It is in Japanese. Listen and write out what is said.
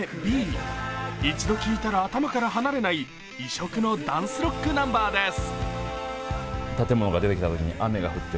一度聴いたら頭から離れない異色のダンスロックナンバーです。